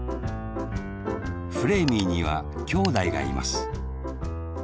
フレーミーにはきょうだいがいます。